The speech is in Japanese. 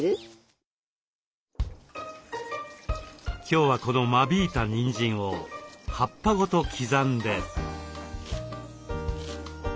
今日はこの間引いたにんじんを葉っぱごと刻んで。